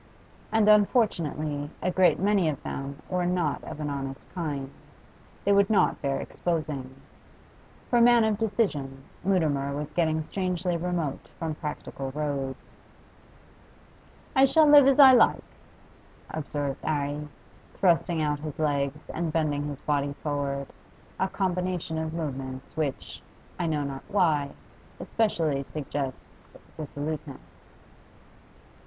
And unfortunately a great many of them were not of an honest kind; they would not bear exposing. For a man of decision, Mutimer was getting strangely remote from practical roads. 'I shall live as I like,' observed 'Arry, thrusting out his legs and bending his body forward, a combination of movements which, I know not why, especially suggests dissoluteness.